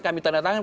kami tanda tangan